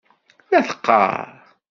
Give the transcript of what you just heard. La teqqaṛ.